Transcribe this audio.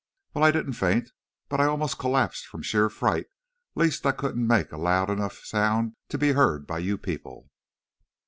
"Well, I didn't faint, but I almost collapsed from sheer fright lest I couldn't make a loud enough sound to be heard by you people."